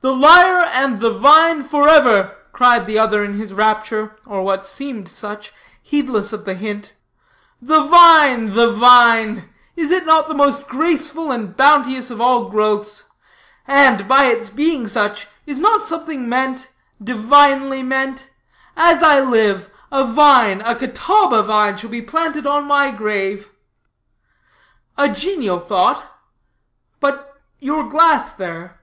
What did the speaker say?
"The lyre and the vine forever!" cried the other in his rapture, or what seemed such, heedless of the hint, "the vine, the vine! is it not the most graceful and bounteous of all growths? And, by its being such, is not something meant divinely meant? As I live, a vine, a Catawba vine, shall be planted on my grave!" "A genial thought; but your glass there."